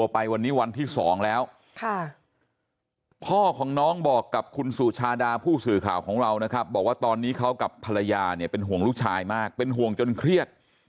ไปวันนี้วันที่๒แล้วพ่อของน้องบอกกับคุณสุชาดาผู้สื่อข่าวของเรานะครับบอกว่าตอนนี้เขากับภรรยาเนี่ยเป็นห่วงลูกชายมากเป็นห่วงจนเครียด